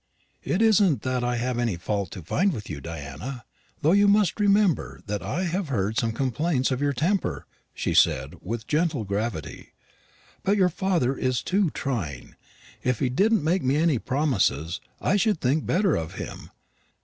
"It isn't that I've any fault to find with you, Diana, though you must remember that I have heard some complaints of your temper," she said, with gentle gravity; "but your father is too trying. If he didn't make me any promises, I should think better of him.